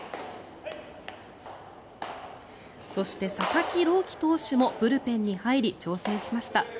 そして、佐々木朗希投手もブルペンに入り調整しました。